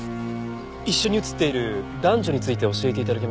一緒に写っている男女について教えて頂けますか？